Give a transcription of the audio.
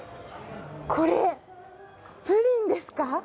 これ、プリンですか？